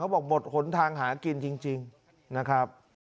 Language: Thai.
บอกหมดหนทางหากินจริงนะครับ